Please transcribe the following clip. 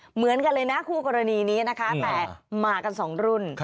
เหมือนกันเลยนะคู่กรณีนี้นะคะแต่มากันสองรุ่น